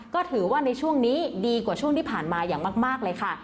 ก็ถือว่าในช่วงนี้ดีกว่าช่วงที่ผ่านมาอย่างมากเลยค่ะ